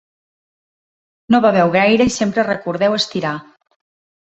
No beveu gaire i sempre recordeu estirar.